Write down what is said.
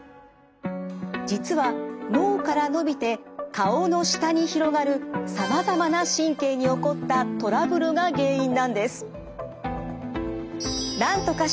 実は脳からのびて顔の下に広がるさまざまな神経に起こったトラブルが原因なんです。